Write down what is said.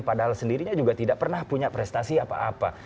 padahal sendirinya juga tidak pernah punya prestasi apa apa